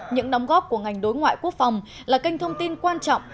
những đóng góp của ngành đối ngoại quốc phòng là kênh thông tin quan trọng